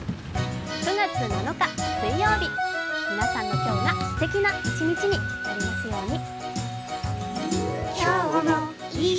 ９月７日水曜日、皆さんの今日がすてきな一日になりますように。